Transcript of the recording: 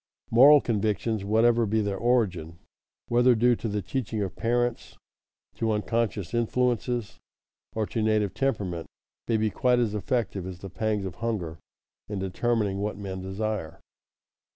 Moral convictions, whatever be their origin, whether due to the teaching of parents, to unconscious influences, or to native temperament, may be quite as effective as the pangs of hunger in determining what men desire.